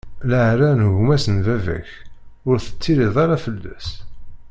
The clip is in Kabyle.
Leɛra n gma-s n baba-k, ur teṭṭilliḍ ara fell-as.